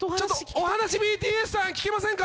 お話ＢＴＳさん聞けませんか？